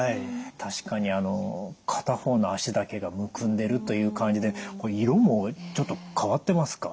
確かに片方の脚だけがむくんでるという感じでこれ色もちょっと変わってますか？